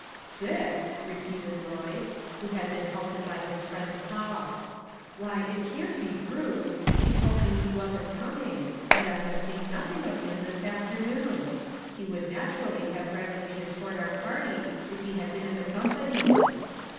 " Sick !" repeated Lloyd, who had been halted by his friend's call, "why, it can't be Bruce ; he told me he wasn't coming, and I have seen nothing of him this after noon. He would naturally have gravitated toward our party if he had been in the company."